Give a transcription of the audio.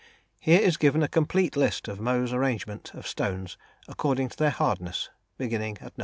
Here is given a complete list of Mohs's arrangement of stones, according to their hardness, beginning at No.